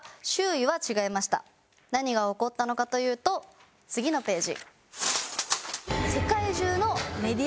何が起こったのかというと次のページ。